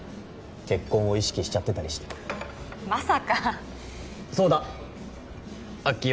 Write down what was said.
結婚を意識しちゃってたりしてまさかそうだアッキー